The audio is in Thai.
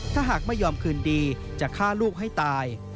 ถ้าหากไม่ยอมคืนดีจะฆ่าลูกให้ตาย